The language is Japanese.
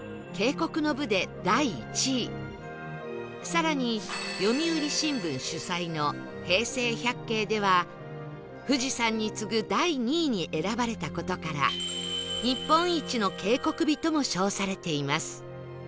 更に読売新聞主催の平成百景では富士山に次ぐ第２位に選ばれた事から日本一の渓谷美とも称されています